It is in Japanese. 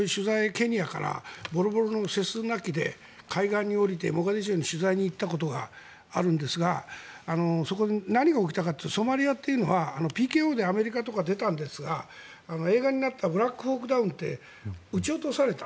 ケニアからボロボロのセスナ機で海岸に下りて取材に行ったことがあるんですがそこで何が起きたかっていうとソマリアではＰＫＯでアメリカとか出たんですが映画になった「ブラックホーク・ダウン」って撃ち落とされた。